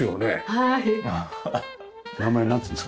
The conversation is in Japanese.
はい。